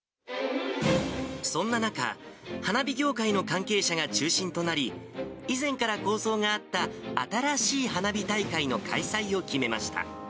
そんな中、花火業界の関係者が中心となり、以前から構想があった新しい花火大会の開催を決めました。